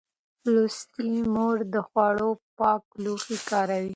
لوستې مور د خوړو پاک لوښي کاروي.